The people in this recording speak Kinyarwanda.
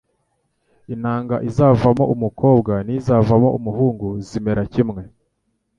Intanga izavamo umukobwa nizavamo umuhungu zimera kimwe